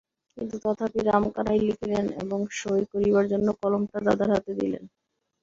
কিন্তু তথাপি রামকানাই লিখিলেন এবং সই করিবার জন্য কলমটা দাদার হাতে দিলেন।